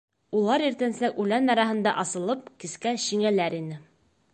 Улар иртәнсәк үлән араһында асылып, кискә шиңәләр ине.